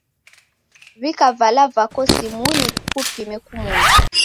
W'ika vala vako simunyi kukupime kumoni.